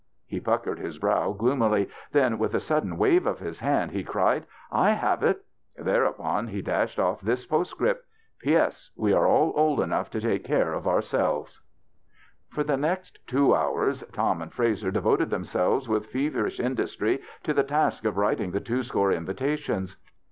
He puckered his brow gloomily; then, with a sudden wave of his hand, he cried, " I have it." Thereupon he dashed oif this postscript :" P.S. We are all old enough to take care of ourselves." 38 THE BACHELOR'S CHRISTMAS For the next two hours Tom and Frazer devoted themselves with feverish industry to the task of writing the two score invitations.